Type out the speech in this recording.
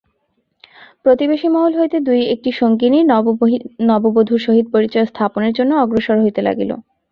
প্রতিবেশীমহল হইতে দুই-একটি সঙ্গিনী নববধূর সহিত পরিচয়স্থাপনের জন্য অগ্রসর হইতে লাগিল।